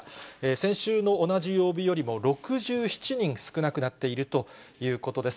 先週の同じ曜日よりも６７人少なくなっているということです。